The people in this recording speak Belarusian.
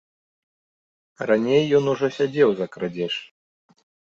Раней ён ужо сядзеў за крадзеж.